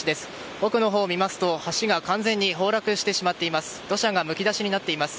奥のほうを見ますと橋が完全に崩落して土砂がむき出しになっています。